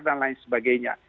nah dan sebagainya